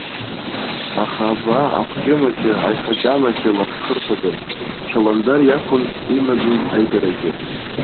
Аха аба, ахәҷымыҷы, аихаҷамаҷа лаԥшхырԥаган, ҳчаландар иақәын имаӡаз аидарагьы.